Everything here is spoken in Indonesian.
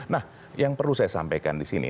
nah yang perlu saya sampaikan disini